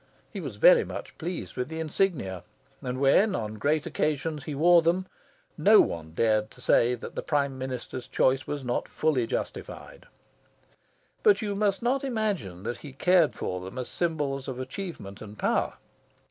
He was very much pleased with the insignia, and when, on great occasions, he wore them, no one dared say that the Prime Minister's choice was not fully justified. But you must not imagine that he cared for them as symbols of achievement and power.